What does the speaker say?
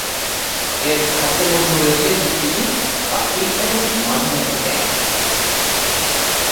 এর খাদ্যের মধ্যে রয়েছে টিকটিকি, পাখি এবং মাঝে মাঝে ব্যাঙ।